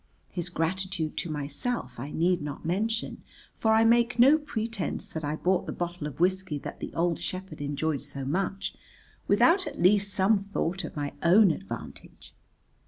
His gratitude to myself I need not mention, for I make no pretence that I bought the bottle of whiskey that the old shepherd enjoyed so much without at least some thought of my own advantage.